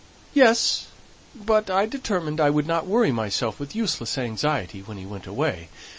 "Yes; but I determined I wouldn't worry myself with useless anxiety, when he went away.